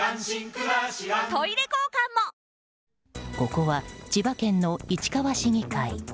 ここは千葉県の市川市議会。